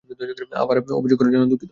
আবার অভিযোগ করার জন্য দুঃখিত।